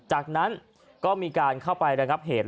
จากนั้นก็มีการเข้าไประงับเหตุ